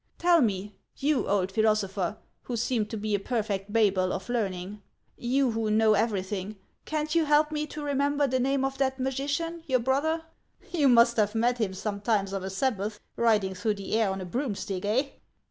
Tell me, you old philosopher, who seem to be a perfect 158 HANS OF ICELAND. Babel of learning, — you who know everything, can't you help me to remember the name of that magician, your brother ? You must have met him sometimes of a Sabbath, riding through the air on a broomstick, eh